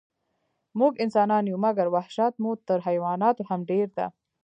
موږ انسانان یو، مګر وحشت مو تر حیواناتو هم ډېر ده.